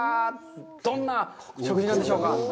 どんな食事なんでしょうか。